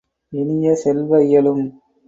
இனிய செல்வ, இயலும்!